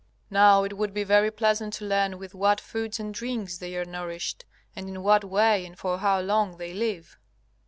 Now it would be very pleasant to learn with what foods and drinks they are nourished, and in what way and for how long they live.